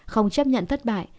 không chấp nhận thất bại